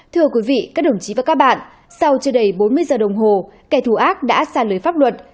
thưa quý vị các đồng chí và các bạn sau chưa đầy bốn mươi giờ đồng hồ kẻ thù ác đã xa lưới pháp luật